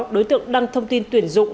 đối tượng đăng thông tin tuyển dụng